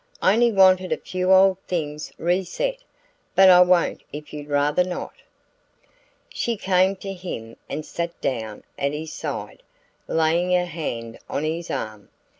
I only wanted a few old things reset. But I won't if you'd rather not." She came to him and sat down at his side, laying her hand on his arm.